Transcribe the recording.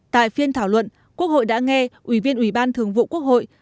tại phiên thảo luận quốc hội đã nghe ủy viên ủy ban thường vụ quốc hội